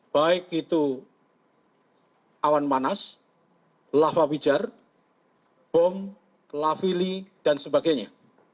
baik itu awan panas lava pijar bom lafili dan sebagainya